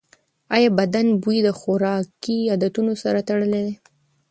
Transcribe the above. ایا بدن بوی د خوراکي عادتونو سره تړلی دی؟